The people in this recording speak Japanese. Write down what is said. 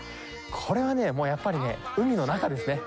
これはねもうやっぱりね海の中ですね。